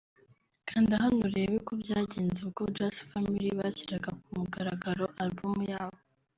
Kanda hano urebe uko byagenze ubwo Just Family bashyiraga ku mugaragaro album yabo